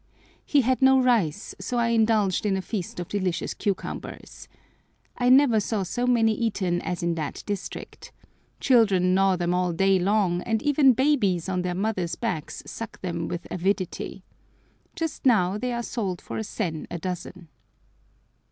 He had no rice, so I indulged in a feast of delicious cucumbers. I never saw so many eaten as in that district. Children gnaw them all day long, and even babies on their mothers' backs suck them with avidity. Just now they are sold for a sen a dozen.